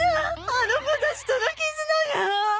あの子たちとの絆が！